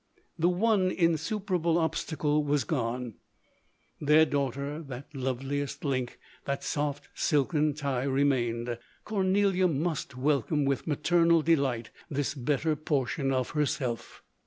The one insuperable obstacle was gone ; their daughter, that loveliest link, that soft silken tie remained: Cornelia must welcome with ma ternal delight this better portion of herself.